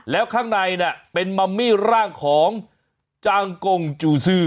แล้วข้างในเป็นมัมมี่ร่างของจางกงจูซือ